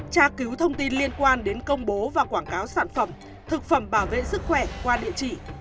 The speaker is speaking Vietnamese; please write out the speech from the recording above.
tra cứu thông tin liên quan đến công bố và quảng cáo sản phẩm thực phẩm bảo vệ sức khỏe qua địa chỉ